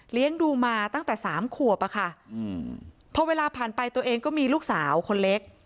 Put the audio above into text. ดูมาตั้งแต่สามขวบอะค่ะพอเวลาผ่านไปตัวเองก็มีลูกสาวคนเล็ก